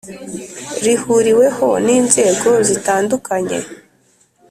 rihuriweho n’inzego zitandukanye